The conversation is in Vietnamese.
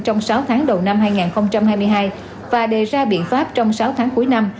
trong sáu tháng đầu năm hai nghìn hai mươi hai và đề ra biện pháp trong sáu tháng cuối năm